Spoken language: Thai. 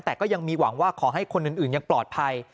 แต่ก็ยังมีหวังว่าขอให้คนอื่นยังปลอดภัย